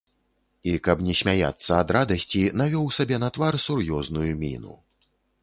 І каб не смяяцца ад радасці, навёў сабе на твар сур'ёзную міну.